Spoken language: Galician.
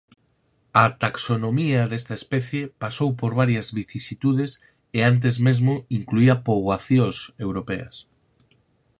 A taxonomía desta especie pasou por varias vicisitudes e antes mesmo incluía poboacións europeas.